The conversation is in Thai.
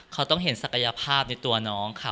เขาต้องเห็นศักยภาพในตัวน้องค่ะ